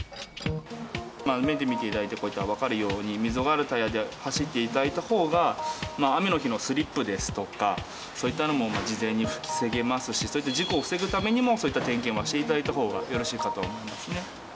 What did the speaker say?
目で見ていただいたら、こういった、分かるように、溝があるタイヤで走っていただいたほうが、雨の日のスリップですとか、そういったのも事前に防げますし、そういった事故を防ぐためにも、そういった点検をしていただいたほうがよろしいかと思いますね。